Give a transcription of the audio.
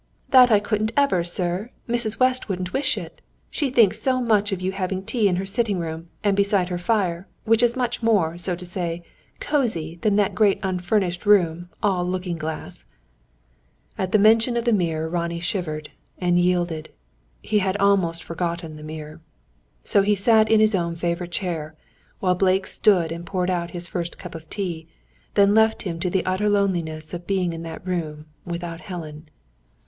"That I couldn't ever, sir! Mrs. West wouldn't wish it. She thinks so much of you having tea in her sitting room, and beside her fire; which is much more, so to say, cosy than that great unfurnished room, all looking glass." At mention of the mirror Ronnie shivered, and yielded. He had almost forgotten the mirror. So he sat in his own favourite chair, while Blake stood and poured out his first cup of tea, then left him to the utter loneliness of being in that room without Helen.